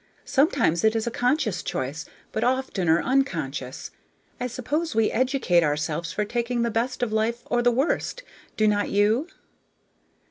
Sometimes it is a conscious choice, but oftener unconscious. I suppose we educate ourselves for taking the best of life or the worst, do not you?"